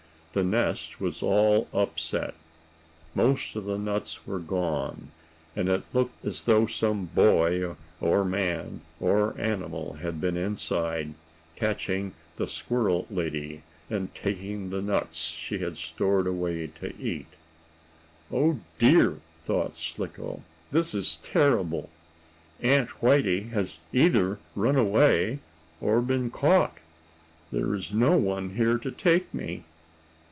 The nest was all upset. Most of the nuts were gone, and it looked as though some boy, or man, or animal had been inside, catching the squirrel lady, and taking the nuts she had stored away to eat. "Oh, dear!" thought Slicko. "This is terrible! Aunt Whitey has either run away, or been caught. There is no one here to take me!